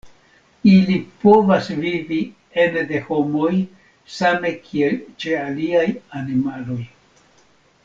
Ili povas vivi ene de homoj same kiel ĉe aliaj animaloj.